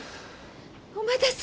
・お待たせ。